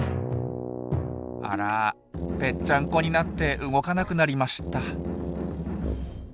あらぺっちゃんこになって動かなくなりました。